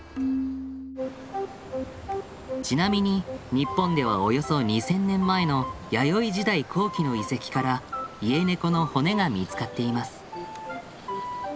ちなみに日本ではおよそ２，０００年前の弥生時代後期の遺跡からイエネコの骨が見つかっています。